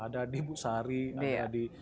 ada di busari ada di